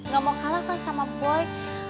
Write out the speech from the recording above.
gak mau kalah kan sama boy